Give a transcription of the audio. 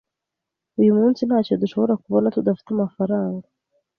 Uyu munsi ntacyo dushobora kubona tudafite amafaranga.